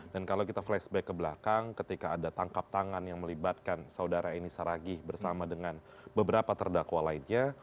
dan kalau kita flashback ke belakang ketika ada tangkap tangan yang melibatkan saudara aini saragih bersama dengan beberapa terdakwa lainnya